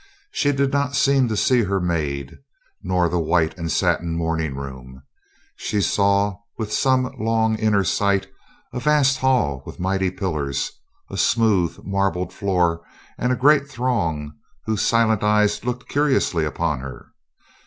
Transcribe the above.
She did not seem to see her maid, nor the white and satin morning room. She saw, with some long inner sight, a vast hall with mighty pillars; a smooth, marbled floor and a great throng whose silent eyes looked curiously upon her.